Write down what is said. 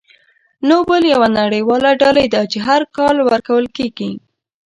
نوبل یوه نړیواله ډالۍ ده چې هر کال ورکول کیږي.